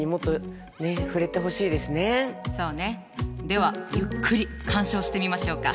ではゆっくり鑑賞してみましょうか。